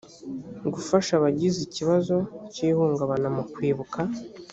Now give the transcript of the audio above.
gufasha abagize ikibazo cy’ihungabana mu kwibuka